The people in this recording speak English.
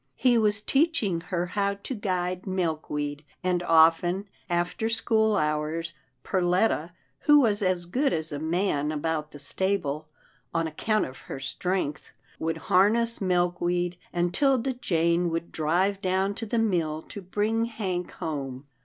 He was teaching her how to guide Milkweed, and often, after school hours, Perletta, who was as good as a man about the stable, on account of her strength, would har ness Milkweed, and 'Tilda Jane would drive down to the mill to bring Hank home.